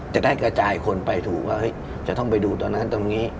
จะได้กระจายคนไปถูกว่าจะต้องไปดูตรงนั้นตรงนี้